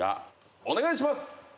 お願いします！